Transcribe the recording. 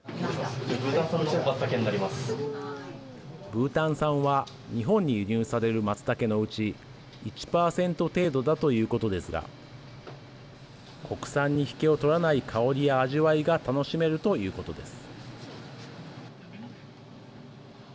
ブータン産は日本に輸入されるまつたけのうち１％程度だということですが国産に引けを取らない香りや味わいが楽しめるということです。